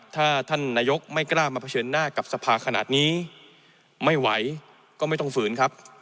ถ้าท่านนายกไม่กล้ามาเผชิญหน้ากับสภาขนาดนี้ไม่ไหวก็ไม่ต้องฝืนครับ